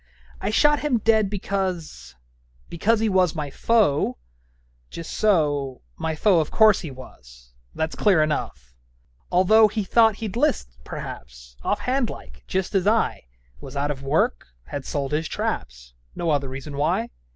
'I shot him dead because Because he was my foe, Just so: my foe of course he was; That's clear enough; although 'He thought he'd 'list, perhaps, Off hand like just as I Was out of work had sold his traps No other reason why.